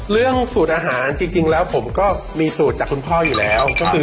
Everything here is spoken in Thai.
สูตรอาหารจริงแล้วผมก็มีสูตรจากคุณพ่ออยู่แล้ว